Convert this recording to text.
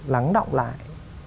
lắng động lại